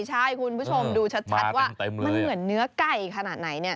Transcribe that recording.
ใช่คุณผู้ชมดูชัดว่ามันเหมือนเนื้อไก่ขนาดไหนเนี่ย